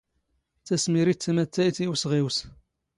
ⵜⴰⵙⵎⵉⵔⵉⵜ ⵜⴰⵎⴰⵜⵜⴰⵢⵜ ⵉ ⵓⵙⵖⵉⵡⵙ.